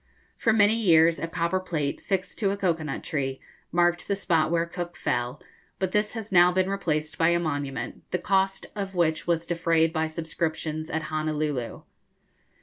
For many years a copper plate, fixed to a cocoa nut tree, marked the spot where Cook fell, but this has now been replaced by a monument, the cost of which was defrayed by subscriptions at Honolulu.